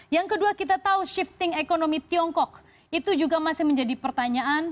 yang kedua kita tahu shifting ekonomi tiongkok itu juga masih menjadi pertanyaan